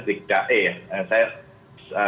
dikita e ya saya